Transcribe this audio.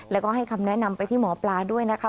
แล้วก็ให้คำแนะนำไปที่หมอปลาด้วยนะคะ